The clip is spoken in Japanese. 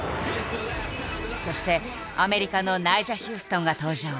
そしてアメリカのナイジャ・ヒューストンが登場。